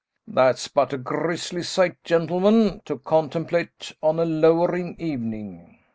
"That's but a grisly sight, gentlemen, to contemplate on a lowering evening."